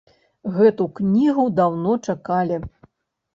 Гэту кнігу даўно чакалі.